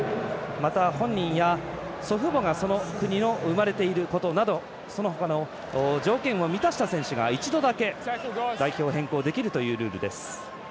また本人や祖父母が、その国に生まれていることなどその他の条件を満たした選手が一度だけ代表変更できるというルールです。